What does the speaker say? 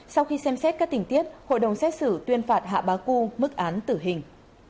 sau khi xem xét các tình tiết hội đồng xét xử tuyên phạt hạ báu mức án tử hình